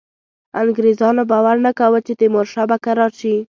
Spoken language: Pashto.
انګرېزانو باور نه کاوه چې تیمورشاه به کرار شي.